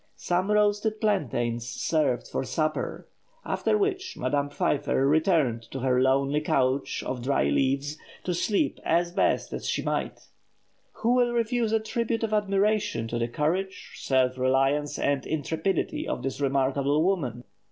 Some roasted plantains served for supper; after which Madame Pfeiffer retired to her lonely couch of dry leaves, to sleep as best she might. Who will refuse a tribute of admiration to the courage, self reliance, and intrepidity of this remarkable woman?